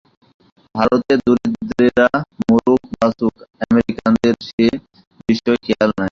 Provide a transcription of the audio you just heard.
ভারতের দরিদ্রেরা মরুক বাঁচুক, আমেরিকানদের সে বিষয়ে খেয়াল নাই।